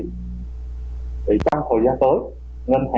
đối với những nhân dân ở nhà phố